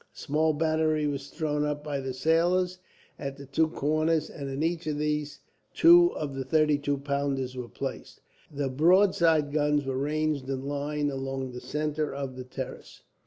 A small battery was thrown up by the sailors, at the two corners, and in each of these two of the thirty two pounders were placed. The broadside guns were ranged in line along the centre of the terrace.